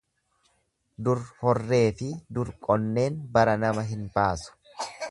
Dur horreefi dur qonneen bara nama hin baasu.